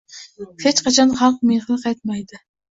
hech qachon xalq mehri qaytmaydi.